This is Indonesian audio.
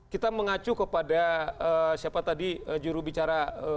kita mengacu kepada siapa tadi jurubicara